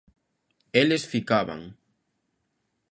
Eles ficaban.